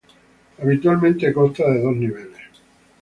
Habitualmente constan de dos niveles.